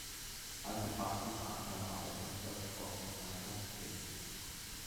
Als Fachgutachter war er für die Deutsche Forschungsgemeinschaft tätig.